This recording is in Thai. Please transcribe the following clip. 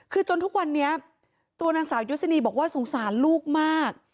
คือจนทุกวันนี้ตัวนางสาวยศนีบอกว่าสงสารลูกมาก